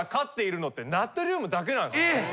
えっ！？